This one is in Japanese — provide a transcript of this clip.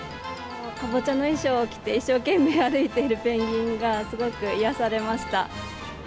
カボチャの衣装着て、一生懸命歩いているペンギンがすごく癒やされました。